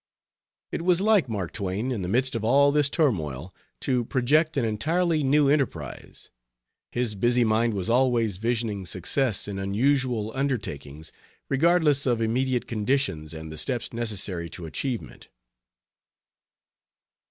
It was like Mark Twain, in the midst of all this turmoil, to project an entirely new enterprise; his busy mind was always visioning success in unusual undertakings, regardless of immediate conditions and the steps necessary to achievement.